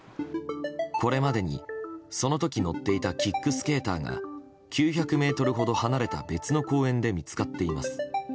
これまでに、その時、乗っていたキックスケーターが９００ｍほど離れた別の公園で見つかっています。